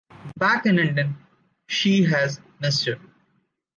Back in London she has a Mr.